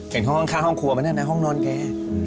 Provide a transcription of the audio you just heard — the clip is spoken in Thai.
เห็นเขาข้างห้องครัวไหมเนี่ยนะห้องนอนแก